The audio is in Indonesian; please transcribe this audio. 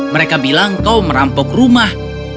mereka bilang kau merampok rumah